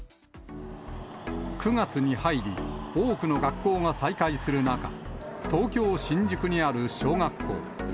９月に入り、多くの学校が再開する中、東京・新宿にある小学校。